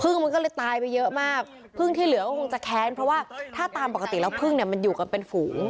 มันก็เลยตายไปเยอะมากพึ่งที่เหลือก็คงจะแค้นเพราะว่าถ้าตามปกติแล้วพึ่งเนี่ยมันอยู่กันเป็นฝูง